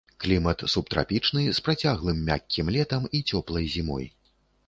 Клімат субтрапічны, з працяглым мяккім летам і цёплай зімой.